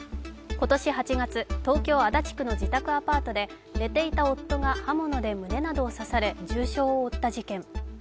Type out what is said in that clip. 今年８月、東京・足立区の自宅アパートで寝ていた夫が刃物で胸などを刺され重傷を負った事件。